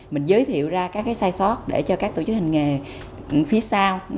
mình giới thiệu ra các sai sót để cho các tổ chức hành nghề phía sau